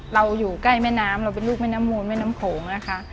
อยู่ใกล้แม่น้ำเราเป็นลูกแม่น้ำมูลแม่น้ำโขงนะคะ